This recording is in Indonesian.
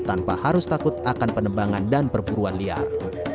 tanpa harus takut akan penebangan dan perburuan liar